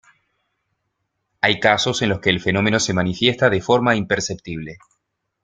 Hay casos en los que el fenómeno se manifiesta de forma imperceptible.